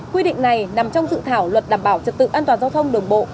quy định này nằm trong sự thảo luật đảm bảo trật tự an toàn